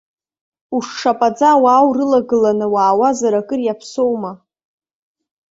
Ушшапаӡа ауаа урылагыланы уаауазар акыр иаԥсоума!